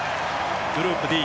グループＤ